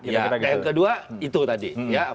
yang kedua itu tadi